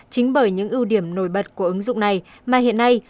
chính bởi những ưu điểm nổi bật của ứng dụng này mà hiện nay